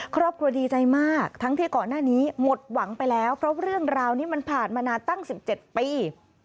ครอบครัวดีใจมากทั้งที่ก่อนหน้านี้หมดหวังไปแล้วเพราะเรื่องราวนี้มันผ่านมานานตั้ง๑๗ปี